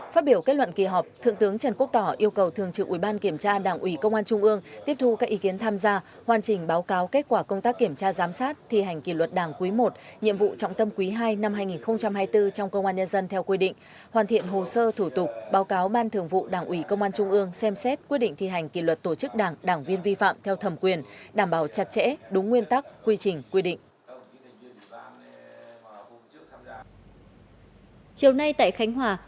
phát biểu kết luận kỳ họp thượng tướng trần quốc tỏ yêu cầu thường trưởng ủy ban kiểm tra đảng ủy công an trung ương tiếp thu các ý kiến tham gia hoàn chỉnh báo cáo kết quả công tác kiểm tra giám sát thi hành kỳ luật đảng quý i nhiệm vụ trọng tâm quý ii năm hai nghìn hai mươi bốn trong công an nhân dân theo quy định hoàn thiện hồ sơ thủ tục báo cáo ban thường vụ đảng ủy công an trung ương xem xét quy định thi hành kỳ luật tổ chức đảng đảng viên vi phạm theo thẩm quyền đảm bảo chặt chẽ đúng nguyên tắc quy trình quy định